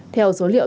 theo số liệu